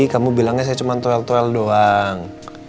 kamu bilangnya saya cuma toel toel doang